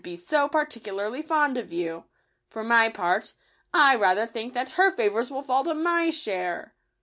a be so particularly fond of you. For my part, I rather think that her favours will fall to my share."